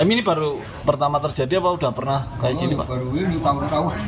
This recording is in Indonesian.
ini baru pertama terjadi apa udah pernah kayak gini pak